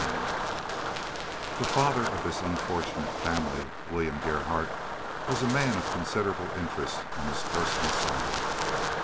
CHAPTER VI The father of this unfortunate family, William Gerhardt, was a man of considerable interest on his personal side.